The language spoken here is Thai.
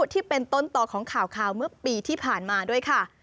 ที่เป็นต้นต่อของข่าวเมื่อปีที่ผ่านมาด้วยค่ะ